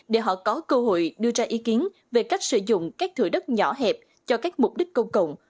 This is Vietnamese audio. để họ có cơ hội đưa ra ý kiến về cách sử dụng các thủ đất nhỏ hẹp cho các mục đích công cộng